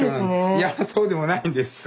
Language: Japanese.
いやそうでもないんです。